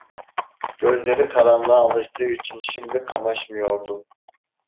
Gözleri karanlığa alıştığı için şimdi kamaşmıyordu.